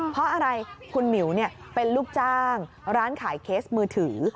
เพราะอะไรคุณหมิวเป็นลูกจ้างร้านขายเคสมือถือ